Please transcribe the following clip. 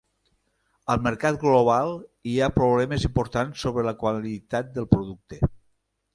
Al mercat global, hi ha problemes importants sobre la qualitat del producte.